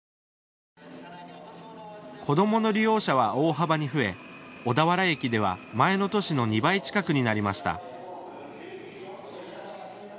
子どもの利用者は大幅に増え小田原駅では前の年の２倍近くになりました。